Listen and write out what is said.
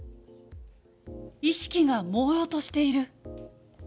意識がもうろうとしている。